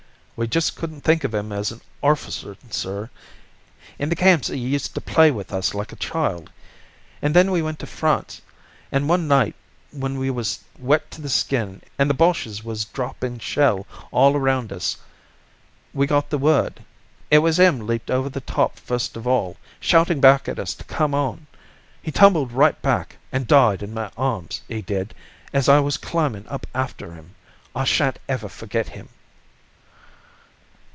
"We just couldn't think of 'im as an orficer, sir; in the camps 'e used to play with us like a child. And then we went to France. And one night when we was wet to the skin and the Boschs was droppin' shell all around us we got the word. It was him leaped over the top first of all, shouting back at us to come on. He tumbled right back and died in my arms, 'e did, as I was climbin' up after 'im. I shan't ever forget 'im."